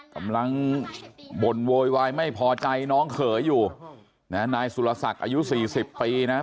กำลังบ่นโวยวายไม่พอใจน้องเขย์อยู่นายสุรษักรณ์อายุ๔๐ปีนะครับ